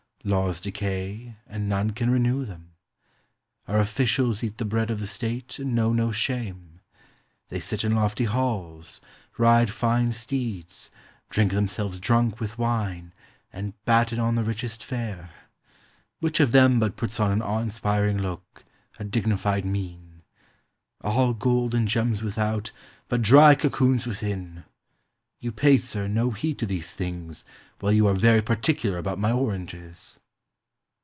Laws decay, and none can renew them. Our officials eat the bread of the State, and know no shame. They sit in lofty halls, ride fine steeds, drink themselves drunk with wine, and batten on the richest fare. Which of them but puts on an awe inspiring look, a dignified mien? — all gold and gems without, but dry cocoons 1.14 WAS HE THE ONLY CHEAT? within. You pay, sir, no heed to these things, while you are very particular about my oranges."